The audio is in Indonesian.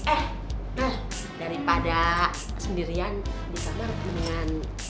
eh daripada sendirian di kamar dengan